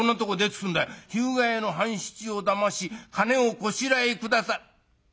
『日向屋の半七をだまし金をこしらえ下さ』。